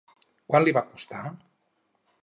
Quant li va costar?